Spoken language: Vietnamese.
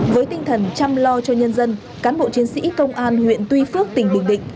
với tinh thần chăm lo cho nhân dân cán bộ chiến sĩ công an huyện tuy phước tỉnh bình định